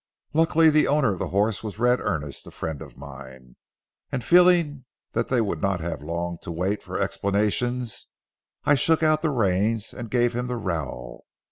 Luckily the owner of the horse was Red Earnest, a friend of mine, and feeling that they would not have long to wait for explanations, I shook out the reins and gave him the rowel.